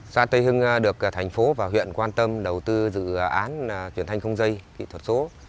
xã tây hưng được thành phố và huyện quan tâm đầu tư dự án truyền thanh không dây kỹ thuật số